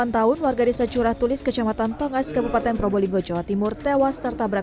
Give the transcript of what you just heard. delapan tahun warga desa curah tulis kecamatan tongas kabupaten probolinggo jawa timur tewas tertabrak